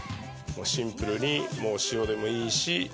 シンプルに塩でもいいし。